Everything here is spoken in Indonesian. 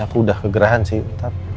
aku udah kegerahan sih